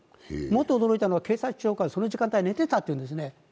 もっと驚いたのは警察長官はその時間帯に寝ていたというんですね。